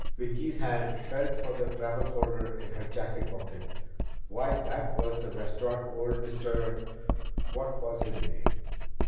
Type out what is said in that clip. Vicki's hand felt for the travel folder in her jacket pocket. Why, that was the restaurant old Mr. what was his name?